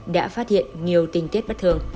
đã phát hiện nhiều tình hình